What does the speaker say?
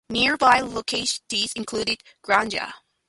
Nearby localities include "Granja".